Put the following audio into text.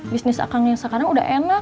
bisnis akang yang sekarang udah enak